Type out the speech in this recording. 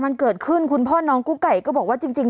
มันเกิดขึ้นคุณพ่อน้องกุ๊กไก่ก็บอกว่าจริง